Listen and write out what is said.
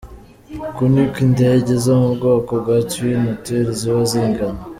Uku niko indege zo mu bwoko ba Twin Otter ziba zingana.